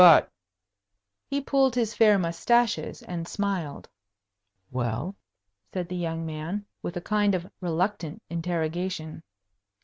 But " He pulled his fair mustaches and smiled. "Well?" said the young man, with a kind of reluctant interrogation.